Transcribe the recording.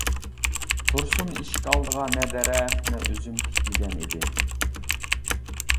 تۇرسۇن ئىشىك ئالدىغا نە دەرەخ، نە ئۈزۈم تىكمىگەن ئىدى.